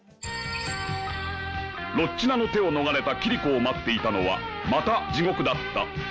ロッチナの手を逃れたキリコを待っていたのはまた地獄だった。